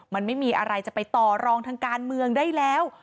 มันไม่มีอะไรจะไปต่อรองทางการเมืองได้แล้ว